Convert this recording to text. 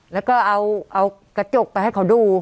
แล้วก็เอากระจกไปให้เขาดู